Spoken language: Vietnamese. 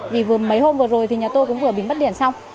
vì mấy hôm vừa rồi thì nhà tôi cũng vừa bị bắt điện xong